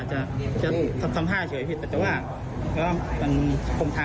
จะทำภาคใหญ่ผิดแต่แบบว่า